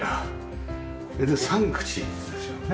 で３口ですよね。